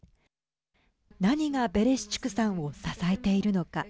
何がベレシチュクさんを支えているのか。